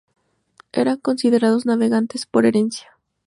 Eran considerados navegantes por herencia.